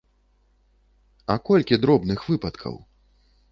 А колькі дробных выпадкаў?